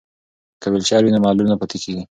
که ویلچر وي نو معلول نه پاتیږي.